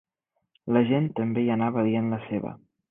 La gent també hi anava dient la seva.